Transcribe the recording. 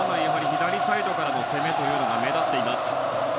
左サイドからの攻めが目立っています。